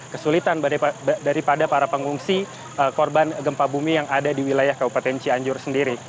kesulitan daripada para pengungsi korban gempa bumi yang ada di wilayah kabupaten cianjur sendiri